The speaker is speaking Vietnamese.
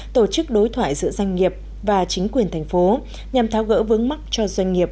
tổ chức đối thoại giữa doanh nghiệp và chính quyền thành phố nhằm tháo gỡ vướng mắt cho doanh nghiệp